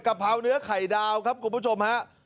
เพราเนื้อไข่ดาวครับคุณผู้ชมฮะ